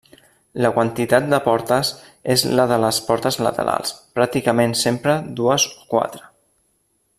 La quantitat de portes és la de les portes laterals, pràcticament sempre dues o quatre.